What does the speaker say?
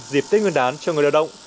dịp tết nguyên đán cho người lao động